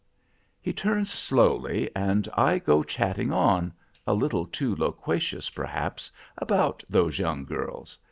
He turns slowly, and I go chatting on—a little too loquacious, perhaps, about those young girls.